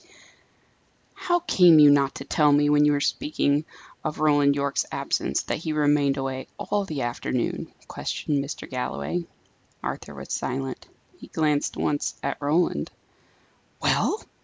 "How came you not to tell me when we were speaking of Roland Yorke's absence, that he remained away all the afternoon?" questioned Mr. Galloway. Arthur was silent. He glanced once at Roland. "Well?"